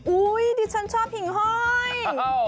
ดิฉันชอบหิ่งห้อย